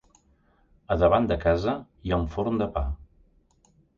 A davant de casa hi ha un forn de pa.